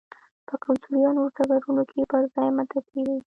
په کلتوري او نورو ډګرونو کې پر ځان متکي وي.